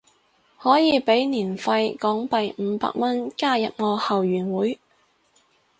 可以俾年費港幣五百蚊加入我後援會